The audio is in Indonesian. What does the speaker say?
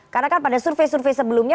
karena kan pada survei survei sebelumnya